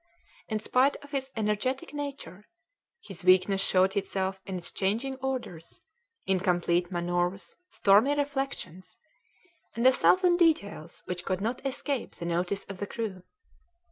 In spite of his energetic nature, his weakness showed itself in his changing orders, incomplete manoeuvres, stormy reflections, and a thousand details which could not escape the notice of the crew.